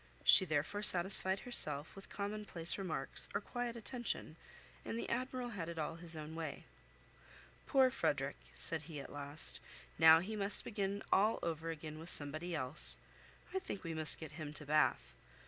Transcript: She therefore satisfied herself with common place remarks or quiet attention, and the Admiral had it all his own way. "Poor Frederick!" said he at last. "Now he must begin all over again with somebody else. I think we must get him to Bath.